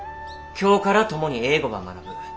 今日から共に英語ば学ぶ。